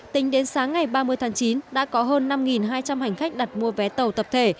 tính đến sáng ngày ba mươi tháng chín đã có hơn năm hai trăm linh hành khách đặt mua vé tàu tập thể